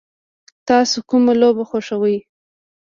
تاسو کومه لوبه خوښوئ؟